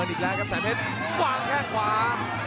เจอดอีกแล้วครับแสนเทศวางแท้นขวา